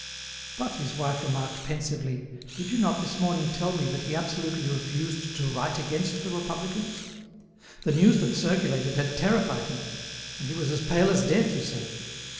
"But," his wife remarked, pensively, "did you not this morning tell me that he absolutely refused to write against the Republicans? The news that circulated had terrified him, and he was as pale as death, you said."